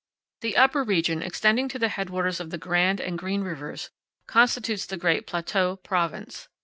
The upper region, extending to the headwaters of the Grand and Green Rivers, constitutes the great Plateau Province.